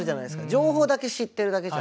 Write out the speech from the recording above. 情報だけ知ってるだけじゃ。